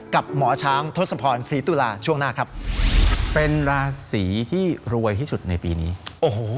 กับหมอช้างทศพรศรีตุลาช่วงหน้าครับเป็นราศีที่รวยที่สุดในปีนี้โอ้โห